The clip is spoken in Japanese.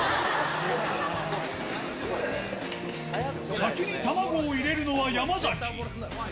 先にたまごを入れるのは山崎。